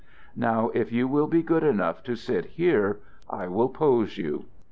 Now if you will be good enough to sit here, I will pose you."